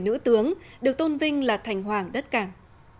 nữ tướng được tôn vinh là thành hoàng đất cảng